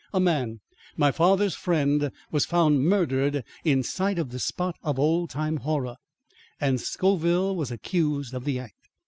A man my father's friend was found murdered in sight of this spot of old time horror, and Scoville was accused of the act.